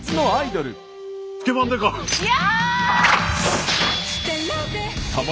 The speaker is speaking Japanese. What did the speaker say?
いや！